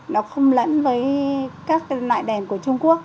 nó không lẫn với các loại đèn của trung quốc